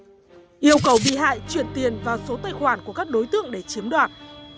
viện kiểm sát hỗ trợ bị hại chuyển tiền vào số tài khoản của các đối tượng để chiếm đoạt